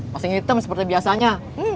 masih hitam seperti biasanya